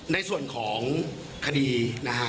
ในส่วนของคดีนะฮะ